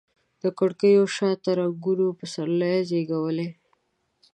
د کړکېو شاته رنګونو پسرلي زیږولي